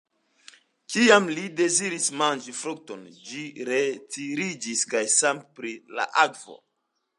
Kiam li deziris manĝi frukton, ĝi retiriĝis kaj same pri la akvo.